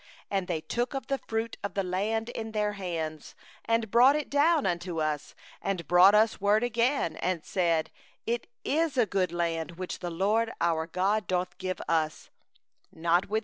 25And they took of the fruit of the land in their hands, and brought it down unto us, and brought us back word, and said: 'Good is the land which the LORD our God giveth unto us.